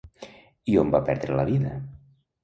I on va perdre la vida?